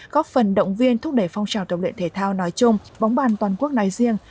góp phần động viên thúc đẩy phong trào tập luyện thể thao nói chung bóng bàn toàn quốc nói riêng